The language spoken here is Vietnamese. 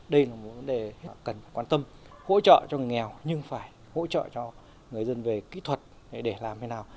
đây là một vấn đề cần quan tâm hỗ trợ cho người nghèo nhưng phải hỗ trợ cho người dân về kỹ thuật để làm thế nào